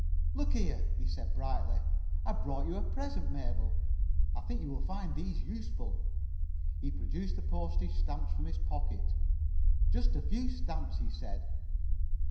"Look here," he said, brightly, "I've brought you a present, Mabel. I think you will find these useful." He produced the postage stamps from his pocket. "Just a few stamps," he said.